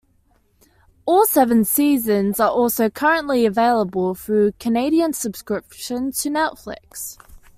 All seven seasons are also currently available through a Canadian subscription to Netflix.